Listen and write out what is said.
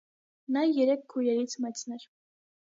Նա երեք քույրերից մեծն է։